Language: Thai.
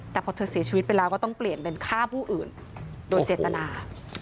แต่พอเธอเสียชีวิตไปแล้วก็ต้องเปลี่ยนเป็นฆ่าผู้อื่นโดยเจตนา